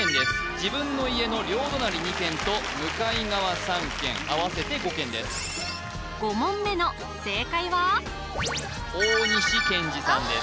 自分の家の両隣２軒と向かい側３軒合わせて５軒です５問目の正解は大西賢示さんです